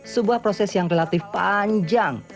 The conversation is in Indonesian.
sebuah proses yang relatif panjang